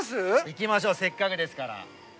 行きましょうせっかくですから。